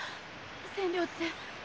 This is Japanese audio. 千両って。